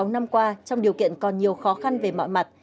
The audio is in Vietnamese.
sáu năm qua trong điều kiện còn nhiều khó khăn về mọi mặt